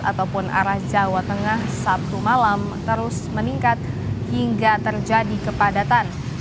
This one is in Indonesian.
ataupun arah jawa tengah sabtu malam terus meningkat hingga terjadi kepadatan